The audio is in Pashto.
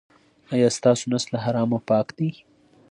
ایا ستاسو نس له حرامو پاک دی؟